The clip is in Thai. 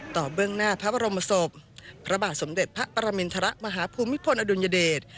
เบื้องหน้าพระบรมศพพระบาทสมเด็จพระปรมินทรมาฮภูมิพลอดุลยเดช